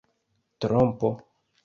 trompo